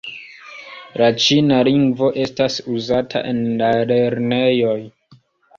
La ĉina lingvo estas uzata en la lernejoj.